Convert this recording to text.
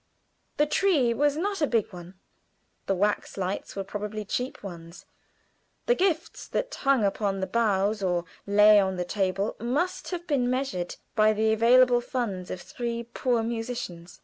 The tree was not a big one. The wax lights were probably cheap ones; the gifts that hung upon the boughs or lay on the table must have been measured by the available funds of three poor musicians.